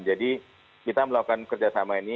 jadi kita melakukan kerjasama ini